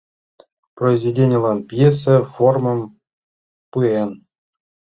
Произведенийлан пьеса формым пуэн.